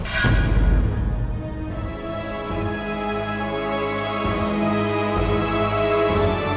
kita bisa selesai